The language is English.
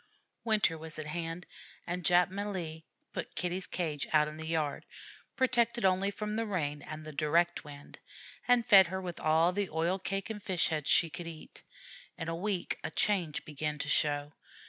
Winter was at hand, and Jap Malee put Kitty's cage out in the yard, protected only from the rain and the direct wind, and fed her with all the oil cake and fish heads she could eat. In a week a change began to show.